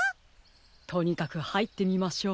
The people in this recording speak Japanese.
とにかくはいってみましょう。